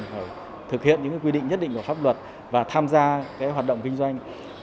phải thực hiện những quy định nhất định của pháp luật và tham gia hoạt động kinh doanh